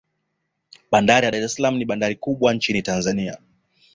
bandari ya dar es salaam ni bandari kubwa nchin tanzania